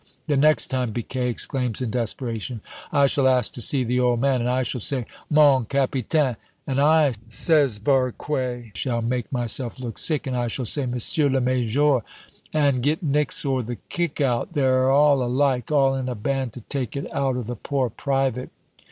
"The next time," Biquet exclaims in desperation, "I shall ask to see the old man, and I shall say, 'Mon capitaine' " "And I," says Barque, "shall make myself look sick, and I shall say, 'Monsieur le major' " "And get nix or the kick out they're all alike all in a band to take it out of the poor private."